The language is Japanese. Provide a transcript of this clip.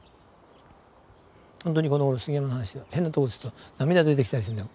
ほんとにこのごろ杉山の話は変なところですると涙出てきたりするんだよ。